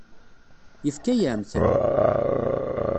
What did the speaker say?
Yefka-yam-t?